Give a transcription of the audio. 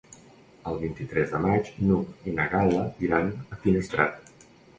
El vint-i-tres de maig n'Hug i na Gal·la iran a Finestrat.